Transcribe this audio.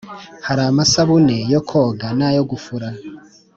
Haramasabune yokoga nayo gufura